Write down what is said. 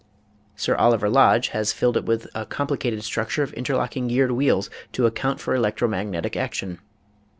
Sir Oliver Lodge has filled it with a complicated structure of interlocking geared wheels to account for electro magnetic action.